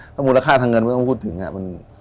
ก็มูลค่าทางเงินไม่ต้องพูดถึงนะครับ